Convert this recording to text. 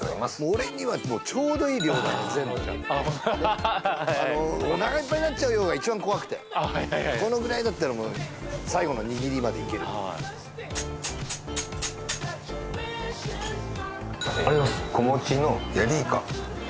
俺にはちょうどいい量だね全部「おなかいっぱいになっちゃうよ」が一番怖くてこのぐらいだったら最後のにぎりまでいける子持ちのヤリイカ